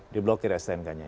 di blokir stnk nya